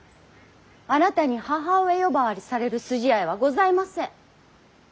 あなたに義母上呼ばわりされる筋合いはございません。